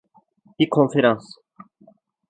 Bir Konferans